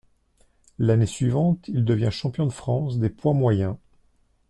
L'année suivante, il devient champion de France des poids moyens.